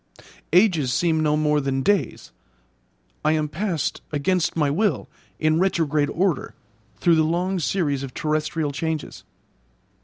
Ages seem no more than days! I am passed, against my will, in retrograde order, through the long series of terrestrial changes.